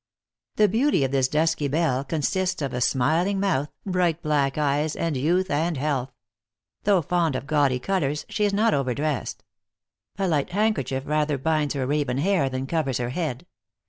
The beauty of this dusky belle consists of a smiling mouth, bright black eyes, and youth and health. Though fond of gaudy colors, she is not over dressed. A light handkerchief rather binds her raven hair than THE ACTRESS IN HIGH LIFE. 13 covers her head.